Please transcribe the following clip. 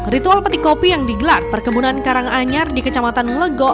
ritual petik kopi yang digelar perkebunan karang anyar di kecamatan ngelego